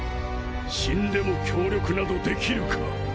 死んでも協力などできるか！